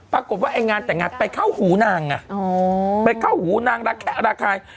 ปรากฏว่าไอ้งานแต่งงานไปเข้าหูนางไงไปเข้าหูนางระแคะระคาย